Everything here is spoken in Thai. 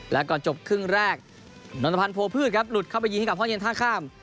แล้วก็จบครึ่งแรกนนทพันธ์โพพืชครับหลุดเข้าไปยิงให้กับห้องเย็นท่าข้าม